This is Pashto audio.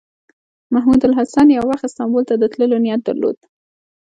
محمود الحسن یو وخت استانبول ته د تللو نیت درلود.